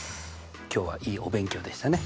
今日はいいお勉強でしたね。